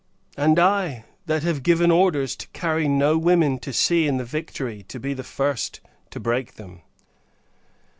And I, that have given orders to carry no women to sea in the Victory, to be the first to break them!